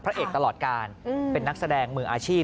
เอกตลอดการเป็นนักแสดงมืออาชีพ